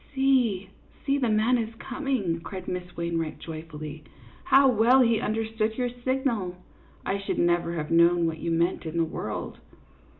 " See, see, the man is coming," cried Miss Wain wright, joyfully. " How well he understood your signal ! I should never have known what you meant in the world."